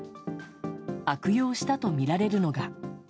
悪用したとみられるのが。